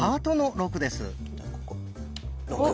６。